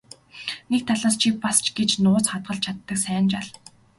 Нэг талаас чи бас ч гэж нууц хадгалж чаддаг сайн жаал.